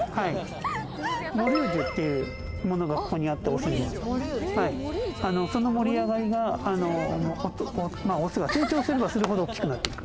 モリージョっていうものがオスにはあって、その盛り上がりが、オスが成長すればするほど大きくなる。